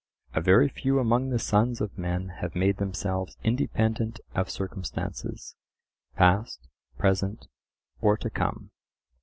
A very few among the sons of men have made themselves independent of circumstances, past, present, or to come.